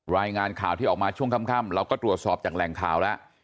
รายงานข่าวที่ออกมาช่วงค่ำเราก็ตรวจสอบจากแหล่งข่าวแล้ว